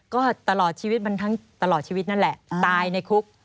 ก็ตลอดชีวิตมันทั้งตลอดชีวิตนั่นแหละตายในคุก